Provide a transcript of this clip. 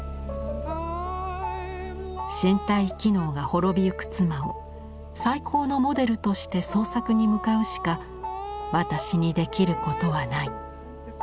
「身体機能が滅びゆく妻を『最高のモデル』として創作に向かうしか私に出来ることはない」。